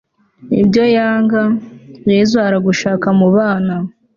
ibyo yanga, yezu aragushaka mu bana